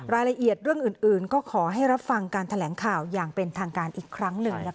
รายละเอียดเรื่องอื่นก็ขอให้รับฟังการแถลงข่าวอย่างเป็นทางการอีกครั้งหนึ่ง